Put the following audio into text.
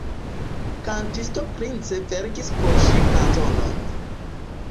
Kantisto Prince verkis por ŝi kanzonon.